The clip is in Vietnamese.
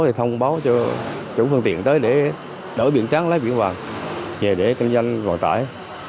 thì thông báo cho chủ phương tiện tới để đổi biển trắng lấy biển vàng về để kinh doanh vận tải